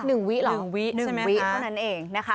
หนึ่งวิเหรอหนึ่งวิใช่ไหมคะหนึ่งวิเท่านั้นเองนะคะ